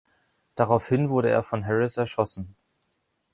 Daraufhin wurde er von Harris erschossen.